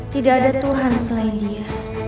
tidak ada tuhan selain dia